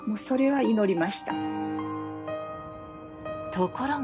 ところが。